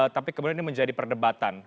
tapi kemudian ini menjadi perdebatan